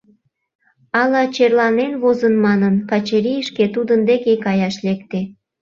Ала черланен возын манын, Качырий шке тудын деке каяш лекте.